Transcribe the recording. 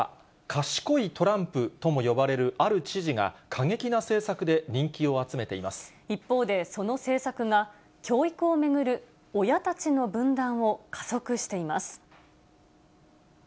賢いトランプとも呼ばれるある知事が、過激な政策で人気を集めて一方で、その政策が教育を巡る親たちの分断を加速しています。